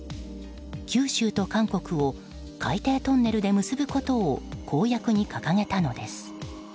九州と韓国を海底トンネルで結ぶことを公約に掲げたのです。